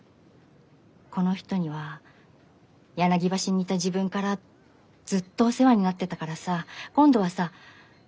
この人には柳橋にいた時分からずっとお世話になってたからさ今度はさ